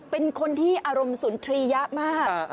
เป็นคนที่อารมณ์สุนทรียะมาก